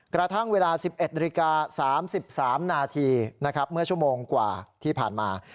กระทั่งเวลา๑๑นาฬิกา๓๓นาทีนะครับเมื่อชั่วโมงกว่าที่ผ่านมา